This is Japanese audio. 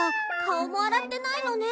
顔も洗ってないのね。